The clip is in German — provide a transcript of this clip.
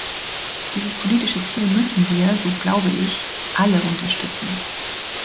Dieses politische Ziel müssen wir, so glaube ich, alle unterstützen.